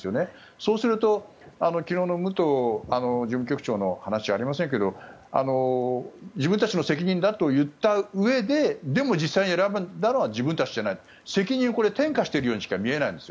そうすると昨日の武藤事務局長の話じゃありませんが自分たちの責任だと言ったうえででも、実際に選んだのは自分たちじゃない責任を転嫁しているようにしか見えないんです。